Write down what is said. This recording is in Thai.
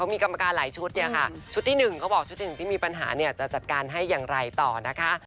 มีกรรมการหลายชุดเนี่ยค่ะชุดที่๑เขาบอกชุดหนึ่งที่มีปัญหาเนี่ยจะจัดการให้อย่างไรต่อนะคะ